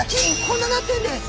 こんななってるんです！